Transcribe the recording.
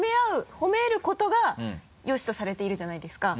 褒めることが良しとされているじゃないですか？